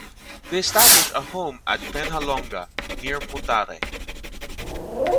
They established a home at Penhalonga, near Mutare.